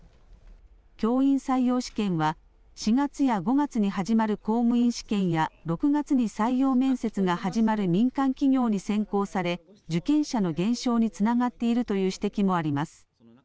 教員採用試験は、４月や５月に始まる公務員試験や、６月に採用面接が始まる民間企業に先行され、受験者の減少につながっているという指摘もあります。